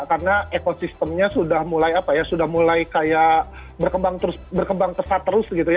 karena ekosistemnya sudah mulai apa ya sudah mulai kayak berkembang terus berkembang kesat terus gitu ya